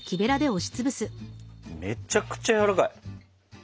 めちゃくちゃやわらかい。